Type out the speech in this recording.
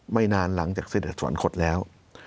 ไม่นานหลังจากเสด็จสวรรคตแล้ว